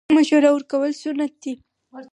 مشوره کول سنت دي